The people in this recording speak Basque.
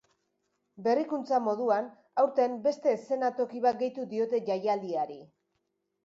Berrikuntza moduan, aurten beste eszenatoki bat gehitu diote jaialdiari.